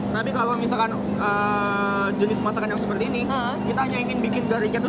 tapi kalau misalkan jenis masakan yang seperti ini kita hanya ingin bikin dari kedung